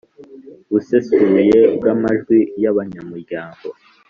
Busesuye bw amajwi y abanyamuryango